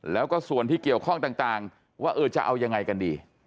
แล้วก็ส่วนที่เกี่ยวข้องต่างว่าเออจะเอายังไงกันดี